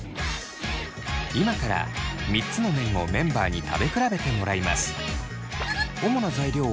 今から３つの麺をメンバーに食べ比べてもらいます。